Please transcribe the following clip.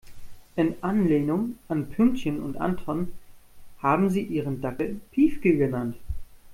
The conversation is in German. In Anlehnung an Pünktchen und Anton haben sie ihren Dackel Piefke genannt.